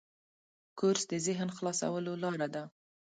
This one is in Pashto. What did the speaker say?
کورس د ذهن خلاصولو لاره ده.